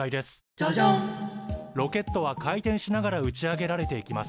「ジャジャン」ロケットは回転しながら打ち上げられていきます。